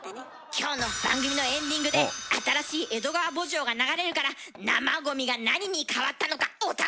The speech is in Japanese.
きょうの番組のエンディングで新しい「江戸川慕情」が流れるから「生ゴミ」が何に変わったのかお楽しみに！